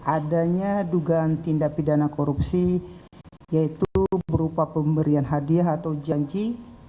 adanya dugaan tindak pidana korupsi yaitu berupa pemberian hadiah atau janji